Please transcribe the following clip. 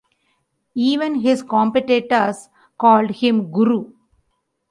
Even his competitors called him guru.